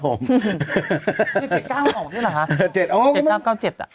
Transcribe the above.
เจ็ดเก้าออกได้หรอฮะเจ็ดเก้าเก้าเจ็ดอ่ะ